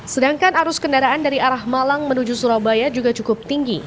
sedangkan arus kendaraan dari arah malang menuju surabaya juga cukup tinggi